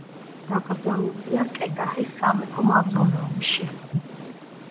დაკრძალულია კედაჰის სამეფო მავზოლეუმში.